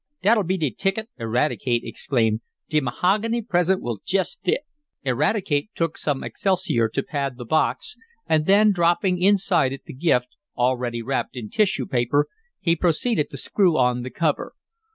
"Dat'll be de ticket!" Eradicate exclaimed. "De mahogany present will jest fit." Eradicate took some excelsior to pad the box, and then, dropping inside it the gift, already wrapped in tissue paper, he proceeded to screw on the cover.